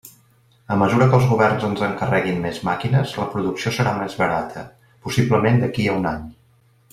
A mesura que els governs ens encarreguin més màquines, la producció serà més barata, possiblement d'aquí a un any.